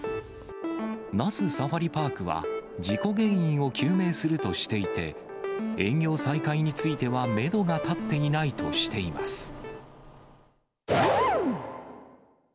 那須サファリパークは、事故原因を究明するとしていて、営業再開についてはメドが立っていないとしています。